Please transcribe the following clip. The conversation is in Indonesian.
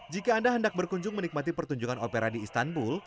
jika anda hendak berkunjung menikmati pertunjukan opera di istanbul